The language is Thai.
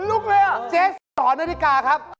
ผลลุกเลยอ่ะเจ๊ห่อนนาฬิกาครับ